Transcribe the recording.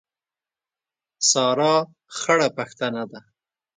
سارا خړه پښتنه ده.